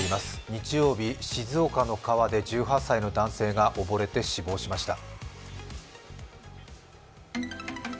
日曜日、静岡の川で１８歳の男性がおぼれて死亡しました。